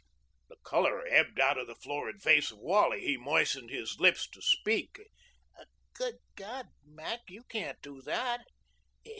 The color ebbed out of the florid face of Wally. He moistened his lips to speak. "Good God, Mac, you can't do that.